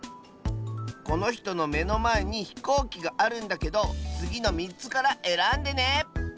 このひとのめのまえにひこうきがあるんだけどつぎの３つからえらんでね。